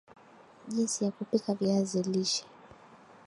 Jinsi ya kupika viazi lishe